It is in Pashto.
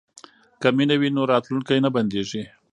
که مینه وي نو راتلونکی نه بندیږي.